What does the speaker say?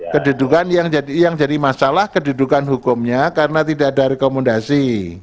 kedudukan yang jadi masalah kedudukan hukumnya karena tidak ada rekomendasi